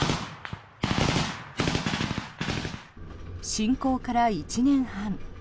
侵攻から１年半。